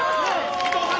伊藤さん